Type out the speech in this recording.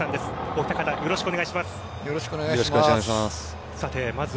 お二方、よろしくお願いします。